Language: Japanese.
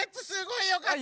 あよかった？